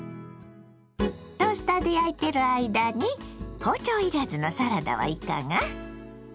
トースターで焼いてる間に包丁いらずのサラダはいかが。